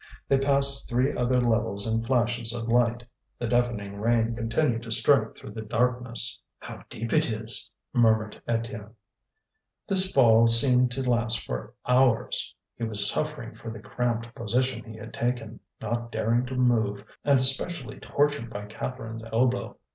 They passed three other levels in flashes of light. The deafening rain continued to strike through the darkness. "How deep it is!" murmured Étienne. This fall seemed to last for hours. He was suffering for the cramped position he had taken, not daring to move, and especially tortured by Catherine's elbow.